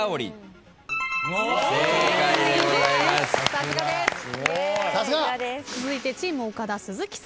さすが！続いてチーム岡田鈴木さん。